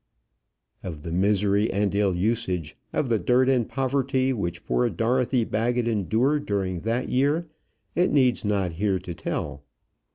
Of the misery and ill usage, of the dirt and poverty, which poor Dorothy Baggett endured during that year, it needs not here to tell.